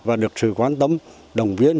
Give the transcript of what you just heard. và được sự quan tâm đồng viên